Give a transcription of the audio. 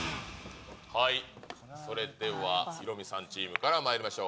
それではヒロミさんチームからまいりましょう。